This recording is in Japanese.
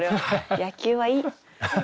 野球はいい。